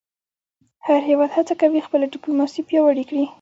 هر هېواد هڅه کوي خپله ډیپلوماسي پیاوړې کړی.